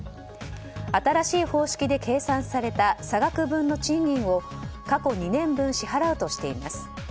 新しい方式で計算された差額分の賃金を過去２年分支払うとしています。